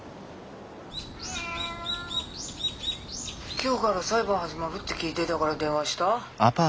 今日がら裁判始まるって聞いでたから電話したぁ。